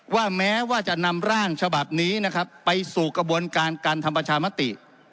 แม้ว่าจะนำร่างฉบับนี้นะครับไปสู่กระบวนการการทำประชามติ